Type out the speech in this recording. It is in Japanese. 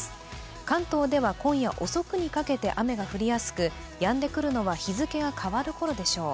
関東では今夜遅くにかけて雨が降りやすくやんでくるのは日付が変わるころでしょう。